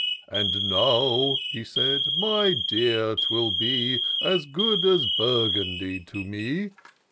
" And now," he said, " my dear, 'twill be As good as Burgundy to me.